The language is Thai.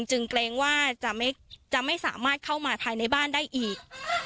เกรงว่าจะไม่สามารถเข้ามาภายในบ้านได้อีก